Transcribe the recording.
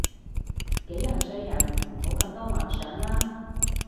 幾廿歲人唔好咁多幻想啦